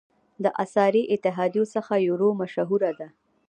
د اسعاري اتحادیو څخه یورو مشهوره ده.